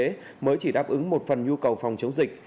bộ y tế mới chỉ đáp ứng một phần nhu cầu phòng chống dịch